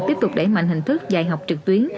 tiếp tục đẩy mạnh hình thức dạy học trực tuyến